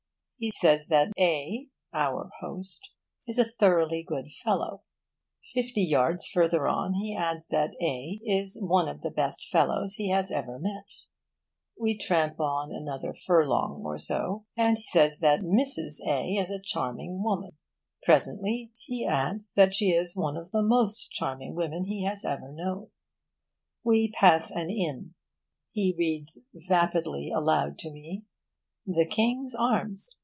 He says that A. (our host) is a thoroughly good fellow. Fifty yards further on, he adds that A. is one of the best fellows he has ever met. We tramp another furlong or so, and he says that Mrs. A. is a charming woman. Presently he adds that she is one of the most charming women he has ever known. We pass an inn. He reads vapidly aloud to me: 'The King's Arms.